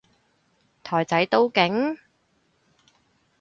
台仔都勁？